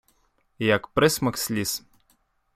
Як присмак сліз...